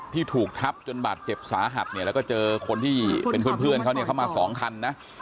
ที่ถูกทับจนบาดเจ็บสาหัสแล้วก็เจอคนที่เป็นเพื่อนเข้ามา๒คันนะ